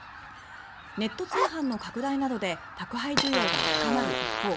ネット通販の拡大などで宅配需要が高まる一方